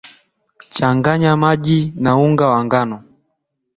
changanya maji na unga wa ngano